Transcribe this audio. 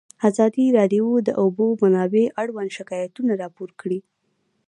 ازادي راډیو د د اوبو منابع اړوند شکایتونه راپور کړي.